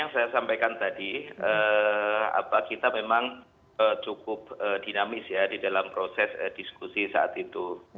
yang saya sampaikan tadi kita memang cukup dinamis ya di dalam proses diskusi saat itu